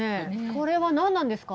これは何なんですか？